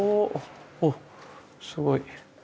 おすごい。